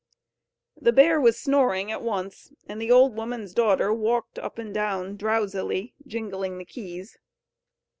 The bear was snoring at once, and the old woman's daughter walked up and down drowsily, jingling the keys.